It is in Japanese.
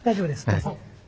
どうぞ。